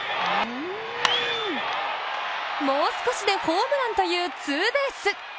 もう少しでホームランというツーベース！